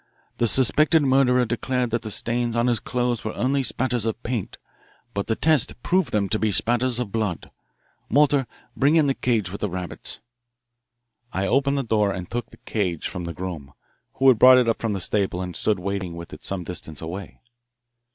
The suspected murderer declared that stains on his clothes were only spatters of paint, but the test proved them to be spatters of blood. Walter, bring in the cage with the rabbits." I opened the door and took the cage from the groom, who had brought it up from the stable and stood waiting with it some distance away.